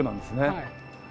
はい。